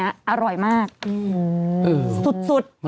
มะม่วงสุกก็มีเหมือนกันมะม่วงสุกก็มีเหมือนกัน